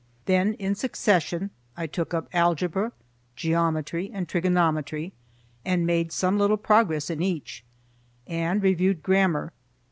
Then in succession I took up algebra, geometry, and trigonometry and made some little progress in each, and reviewed grammar.